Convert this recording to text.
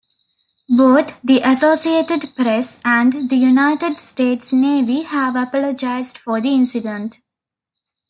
Both the Associated Press and the United States Navy have apologized for the incident.